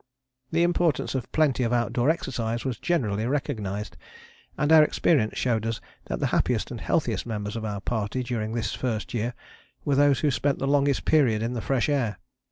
The importance of plenty of out door exercise was generally recognized, and our experience showed us that the happiest and healthiest members of our party during this first year were those who spent the longest period in the fresh air.